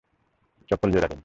চপ্পল জোড়া দিন।